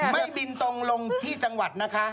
ไม่บินตรงลงที่จังหวัดนะคะ